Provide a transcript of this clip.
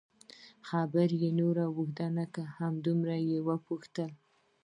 خبره یې نوره اوږده نه کړه، همدومره یې وپوښتل.